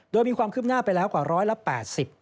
โดยมีความคลึบหน้าไปเรากว่าร้อยและ๘๐